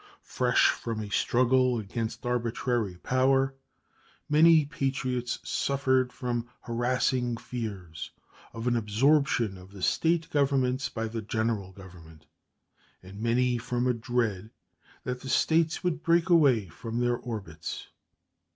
Fresh from a struggle against arbitrary power, many patriots suffered from harassing fears of an absorption of the State governments by the General Government, and many from a dread that the States would break away from their orbits.